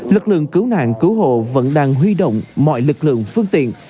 lực lượng cứu nạn cứu hộ vẫn đang huy động mọi lực lượng phương tiện